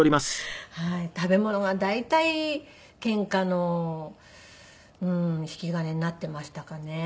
食べ物が大体ケンカの引き金になってましたかね。